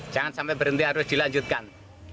jangan sampai berhenti harus dilanjutkan